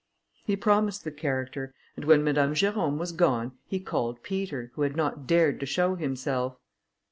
He promised the character, and when Madame Jerôme was gone, he called Peter, who had not dared to show himself.